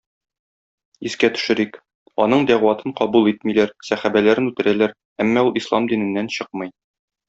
Искә төшерик: аның дәгъватын кабул итмиләр, сәхабәләрен үтерәләр, әмма ул ислам диненнән чыкмый.